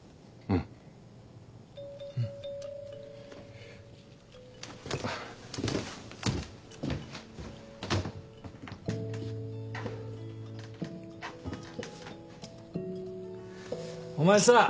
うん。お前さ。